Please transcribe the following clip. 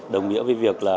đồng nghĩa với việc là